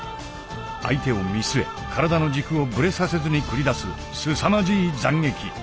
相手を見据え体の軸をぶれさせずに繰り出すすさまじい斬撃。